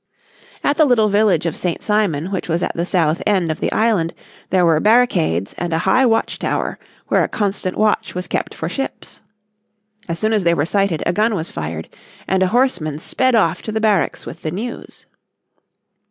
At the little village of St. Simon which was at the south end of the island, there were barricades and a high watch tower where a constant watch was kept for ships. As soon as they were sighted a gun was fired, and a horseman sped off to the barracks with the news.